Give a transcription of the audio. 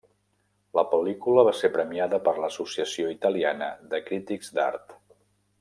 La pel·lícula va ser premiada per l'Associació Italiana de Crítics d'Art.